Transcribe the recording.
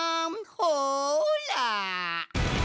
ほら！